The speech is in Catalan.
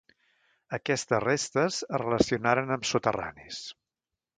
Aquestes restes es relacionaren amb soterranis.